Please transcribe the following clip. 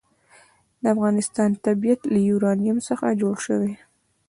د افغانستان طبیعت له یورانیم څخه جوړ شوی دی.